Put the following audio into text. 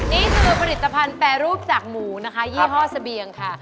นี่คือผลิตภัณฑ์แปรรูปจากหมูนะคะยี่ห้อเสบียงค่ะ